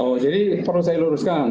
oh jadi perlu saya luruskan